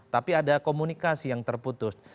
tapi ada komunikasi yang terputus